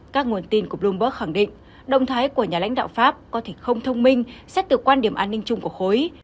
các nguồn tin của bloomberg khẳng định động thái của nhà lãnh đạo pháp có thể không thông minh xét từ quan điểm an ninh chung của khối